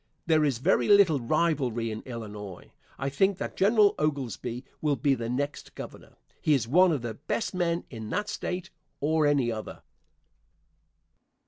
There is very little rivalry in Illinois. I think that General Oglesby will be the next Governor. He is one of the best men in that State or any other.